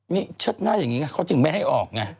นี่เชิดหน้าอย่างนี้ไงเขาจึงไม่ให้ออกไง